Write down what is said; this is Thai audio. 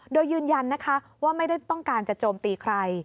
โดยยืนยันนะคะว่าไม่ได้ต้องการจะโจมตีใคร